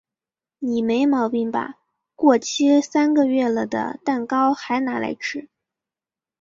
你没毛病吧？过期三个月了的蛋糕嗨拿来吃？